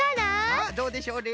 さあどうでしょうね。